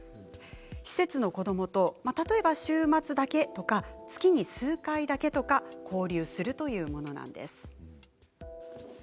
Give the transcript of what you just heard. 施設の子どもと、例えば週末だけとか月に数回だけとか交流するというものなんです。